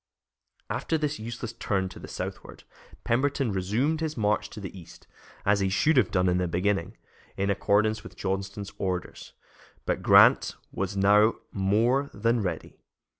After this useless turn to the southward Pemberton resumed his march to the east, as he should have done in the beginning, in accordance with Johnston's orders; but Grant was now more than ready.